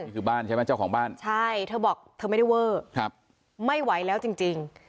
นี่คือบ้านใช่ไหมเจ้าของบ้านใช่เธอบอกเธอไม่ได้เวอร์ไม่ไหวแล้วจริง